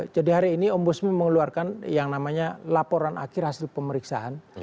jadi hari ini ombudsman mengeluarkan yang namanya laporan akhir hasil pemeriksaan